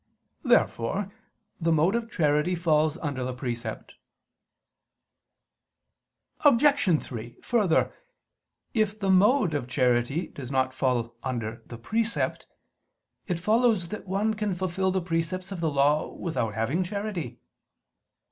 Therefore the mode of charity falls under the precept. Obj. 3: Further, if the mode of charity does not fall under the precept, it follows that one can fulfil the precepts of the law without having charity.